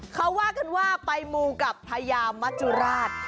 เขาว่ากันว่าไปมูกับพญามัจจุราช